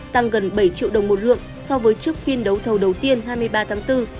tăng gần bảy triệu đồng một lượng so với trước phiên đấu thầu đầu tiên hai mươi ba tháng bốn